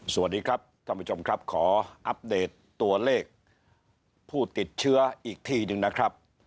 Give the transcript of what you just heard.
สวัสดีครับท่านผู้ชมครับขออัปเดตตัวเลขผู้ติดเชื้ออีกทีหนึ่งนะครับ